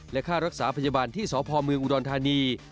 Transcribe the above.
และค่ารักษาพยาบาลที่สพเมืองอุดรธานี